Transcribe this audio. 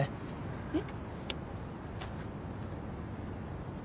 えっ？